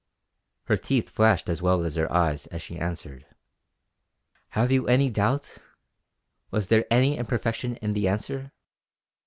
Her teeth flashed as well as her eyes as she answered: "Have you any doubt? Was there any imperfection in the answer?